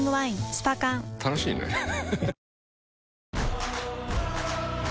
スパ缶楽しいねハハハ